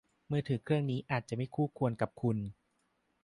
มือถือเครื่องนี้อาจจะไม่คู่ควรกับคุณ